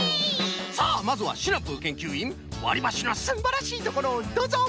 さあまずはシナプーけんきゅういんわりばしのすんばらしいところをどうぞ！